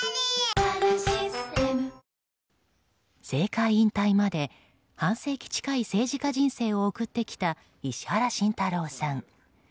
政界引退まで半世紀近い政治家人生を送ってきた石原慎太郎さん。